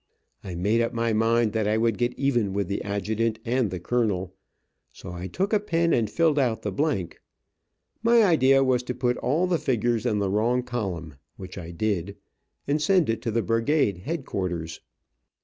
I made up my mind that I would get even with the adjutant and the colonel, so I took a pen and filled out the blank. My idea was to put all the figures in the wrong column, which I did, and send it to the brigade headquarters.